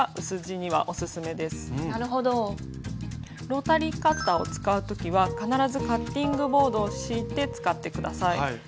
ロータリーカッターを使う時は必ずカッティングボードを敷いて使って下さい。